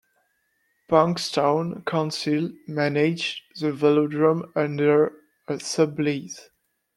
Bankstown Council managed the velodrome under a sublease.